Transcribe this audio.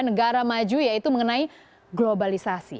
negara maju yaitu mengenai globalisasi